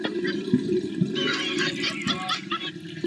大萧条减缓了家用及小型商业在空调上的使用。